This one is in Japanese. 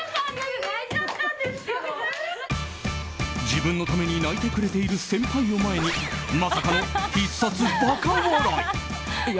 自分のために泣いてくれている先輩を前にまさかの必殺馬鹿笑い。